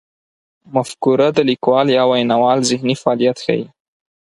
مفکوره د لیکوال یا ویناوال ذهني فعالیت ښيي.